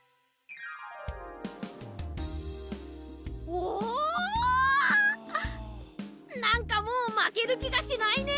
おぉなんかもう負ける気がしないね！